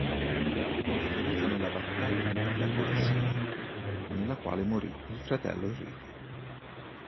Fu ferito nella battaglia di Villa Corsini, nella quale morì il fratello Enrico.